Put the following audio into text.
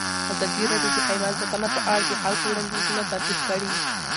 ازادي راډیو د حیوان ساتنه په اړه د خلکو وړاندیزونه ترتیب کړي.